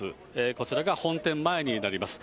こちらが本店前になります。